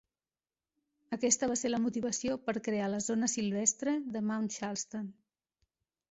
Aquesta va ser la motivació per crear la zona silvestre de Mount Charleston.